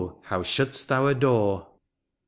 how should'st thou adore!